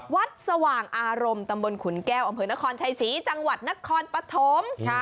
สว่างอารมณ์ตำบลขุนแก้วอำเภอนครชัยศรีจังหวัดนครปฐม